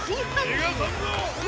・にがさんぞ！